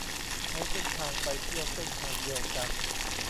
ใช้เส้นทางไปเที่ยวเส้นทางเดียวกัน